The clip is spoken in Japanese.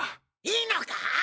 いいのか？